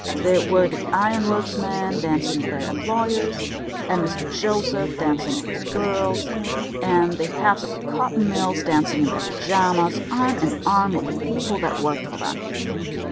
There were the ironworks men dancing with their employers, and Mr Joseph dancing with his girls, and the heads of the cotton mills dancing in their pyjamas, arm in arm with the people that worked for them.